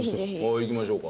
いきましょうか。